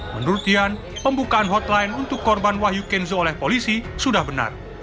menurut dian pembukaan hotline untuk korban wahyu kenzo oleh polisi sudah benar